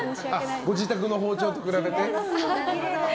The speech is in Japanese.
ご自宅の包丁と比べて。